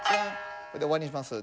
で終わりにします。